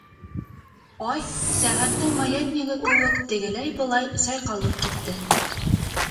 Ай сәғәттең маятнигы кеүек тегеләй-былай сайҡалып китте.